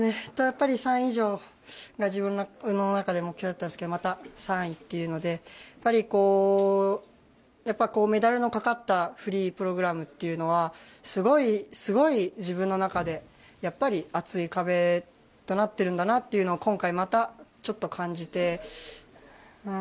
３位以上が自分の中での目標だったんですけどまた３位というのでメダルのかかったフリープログラムというのはすごい自分の中で、やっぱり厚い壁となってるんだなと今回、またちょっと感じて。